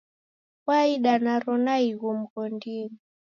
Waida naro naighu mghondinyi.